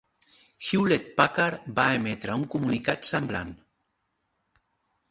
Hewlett-Packard va emetre un comunicat semblant.